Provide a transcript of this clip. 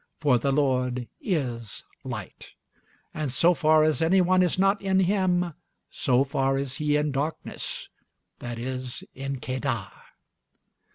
For the Lord is light; and so far as any one is not in Him, so far he is in darkness, i.e., in Kedar.